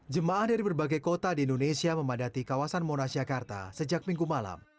jemaah dari berbagai kota di indonesia memadati kawasan monas jakarta sejak minggu malam